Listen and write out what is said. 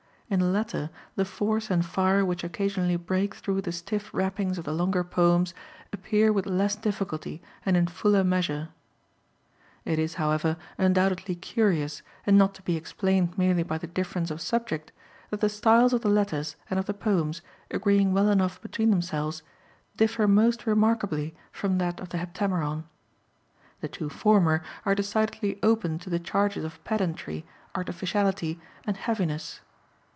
In the latter the force and fire which occasionally break through the stiff wrappings of the longer poems appear with less difficulty and in fuller measure. It is, however, undoubtedly curious, and not to be explained merely by the difference of subject, that the styles of the letters and of the poems, agreeing well enough between themselves, differ most remarkably from that of the Heptameron. The two former are decidedly open to the charges of pedantry, artificiality, heaviness.